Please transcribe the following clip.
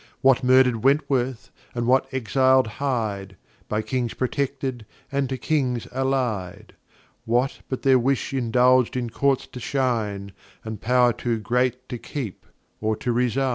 What murder'd Wentworth, and what exil'd Hyde, By Kings protected and to Kings ally'd? What but their Wish indulg' in Courts to shine, And Pow'r too great to keep or to resign?